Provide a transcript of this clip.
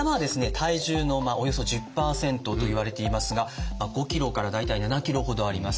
体重のおよそ１０％といわれていますが５ｋｇから大体７ｋｇほどあります。